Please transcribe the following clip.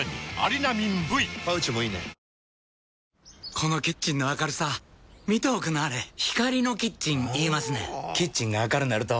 このキッチンの明るさ見ておくんなはれ光のキッチン言いますねんほぉキッチンが明るなると・・・